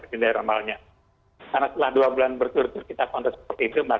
karena setelah dua bulan berturut turut kita pantau seperti itu